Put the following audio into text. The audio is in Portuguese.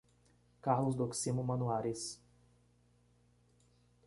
Carlos Doximo Manuaris